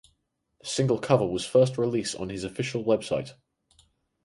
The single cover was first released on his official website.